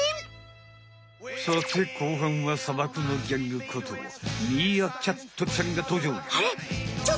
さて後半は砂漠のギャングことミーアキャットちゃんがとうじょう！